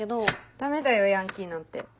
ダメだよヤンキーなんて。